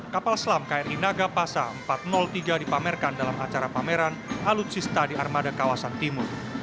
kapal selam kri nagapasa empat ratus tiga dipamerkan dalam acara pameran alutsista di armada kawasan timur